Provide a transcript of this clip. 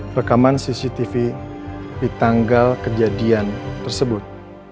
rekaman cctv di tanggal kejadian tersebut